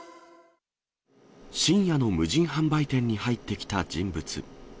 深夜の無人販売店に入ってきた人物。